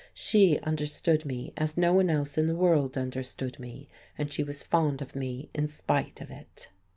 She understood me as no one else in the world understood me, and she was fond of me in spite of it.